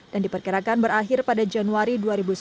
dan diperkirakan berakhir pada januari dua ribu sembilan belas